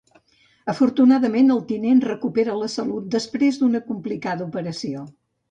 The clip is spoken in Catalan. Afortunadament, el tinent recupera la salut després d'una complicada operació.